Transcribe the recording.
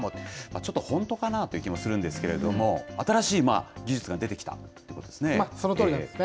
ちょっと本当かなという気もするんですけれども、新しい技術が出そのとおりなんですね。